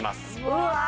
うわ！